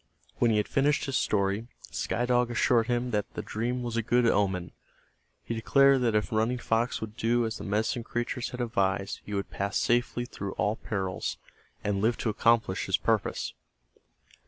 When he had finished his story, Sky Dog assured him that the dream was a good omen. He declared that if Running Fox would do as the medicine creatures had advised he would pass safely through all perils, and live to accomplish his purpose.